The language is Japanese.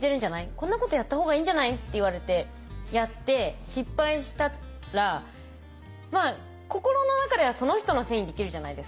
こんなことやった方がいいんじゃない？」って言われてやって失敗したら心の中ではその人のせいにできるじゃないですか。